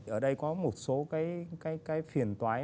ở đây có một số cái phiền toái